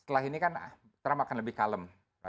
setelah ini kan trump akan lebih kalem